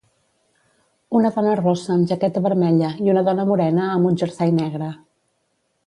Una dona rossa amb jaqueta vermella i una dona morena amb un jersei negre.